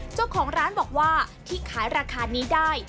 เจ้าของร้านบอกว่าที่ขายราคานี้ได้